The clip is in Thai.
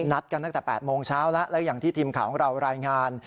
นัดกันตั้งแต่๘โมงเช้าแล้วแล้วอย่างที่ทีมข่าวของเรารายงาน